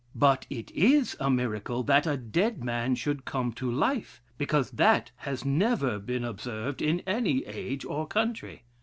But it is a miracle that a dead man should come to life; because that has never been observed in any age or country.